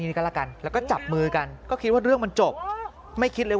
นี่ก็แล้วกันแล้วก็จับมือกันก็คิดว่าเรื่องมันจบไม่คิดเลย